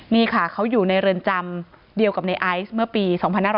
นี่ค่ะเขาอยู่ในเรือนจำเดียวกับในไอซ์เมื่อปี๒๕๕๙